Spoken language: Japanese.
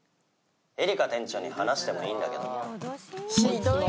エリカ店長に話してもいいんだけど。